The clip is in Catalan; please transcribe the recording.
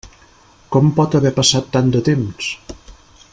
Com pot haver passat tant de temps?